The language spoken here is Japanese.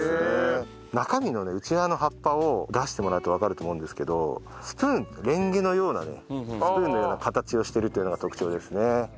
中身のね内側の葉っぱを出してもらうとわかると思うんですけどスプーンレンゲのようなねスプーンのような形をしてるというのが特徴ですね。